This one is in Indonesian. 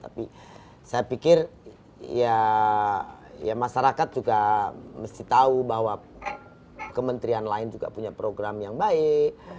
tapi saya pikir ya masyarakat juga mesti tahu bahwa kementerian lain juga punya program yang baik